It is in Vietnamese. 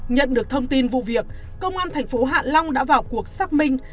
nhận được thông tin vụ việc công an thành phố hạ long đã vào cuộc xác minh